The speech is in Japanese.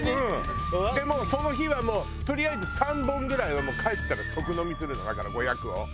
でもうその日はとりあえず３本ぐらいはもう帰ったら即飲みするのだから５００を。